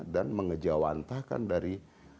dan mengejawantahkan dari